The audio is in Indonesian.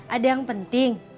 ada yang penting